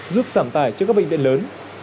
giúp giảm tải cho các bệnh viện lớn